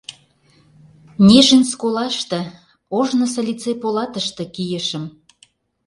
Нежинск олаште, ожнысо лицей полатыште, кийышым.